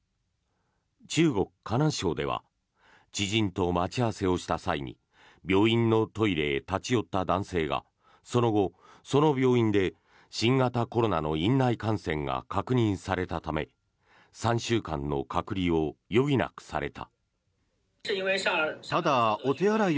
中国・河南省では知人と待ち合わせをした際に病院のトイレへ立ち寄った男性がその後、その病院で新型コロナの院内感染が確認されたため３週間の隔離を余儀なくされた。